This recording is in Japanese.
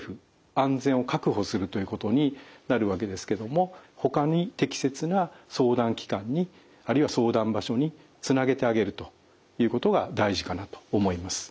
安全を確保するということになるわけですけどもほかに適切な相談機関にあるいは相談場所につなげてあげるということが大事かなと思います。